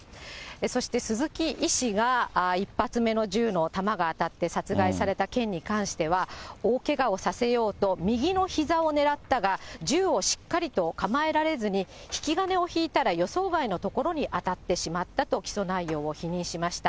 そして、鈴木医師が１発目の銃の弾が当たって殺害された件に関しては、大けがをさせようと、右のひざを狙ったが、銃をしっかりと構えられずに、引き金を引いたら、予想外の所に当たってしまったと、起訴内容を否認しました。